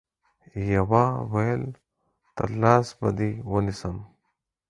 يوه ويل تر لاس به دي ونيسم